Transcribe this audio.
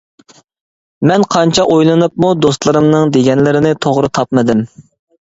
مەن قانچە ئويلىنىپمۇ دوستلىرىمنىڭ دېگەنلىرىنى توغرا تاپمىدىم.